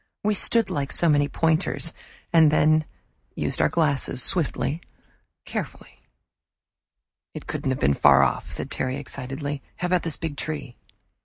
We stood like so many pointers, and then used our glasses, swiftly, carefully. "It couldn't have been far off," said Terry excitedly. "How about this big tree?"